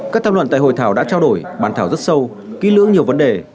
các tham luận tại hội thảo đã trao đổi bàn thảo rất sâu kỹ lưỡng nhiều vấn đề